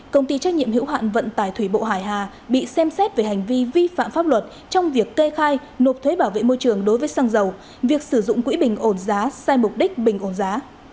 công ty trách nhiệm hữu hạn vận tải thủy bộ hải hà bị xem xét về hành vi vi phạm pháp luật trong việc kê khai nộp thuế bảo vệ môi trường đối với xăng dầu việc sử dụng quỹ bình ổn giá sai mục đích bình ổn giá